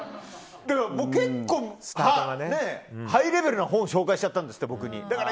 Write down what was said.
結構ハイレベルな本を紹介しちゃったんですって。